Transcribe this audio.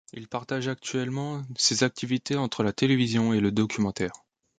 Il partage actuellement ses activités entre la télévision et le documentaire.